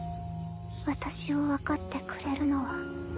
私を分かってくれるのは。